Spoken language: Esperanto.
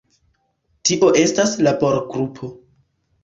Tio estas laborgrupo.